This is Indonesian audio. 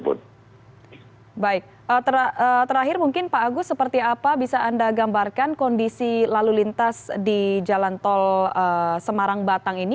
baik terakhir mungkin pak agus seperti apa bisa anda gambarkan kondisi lalu lintas di jalan tol semarang batang ini